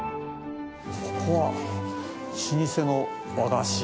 ここは老舗の和菓子ですよね。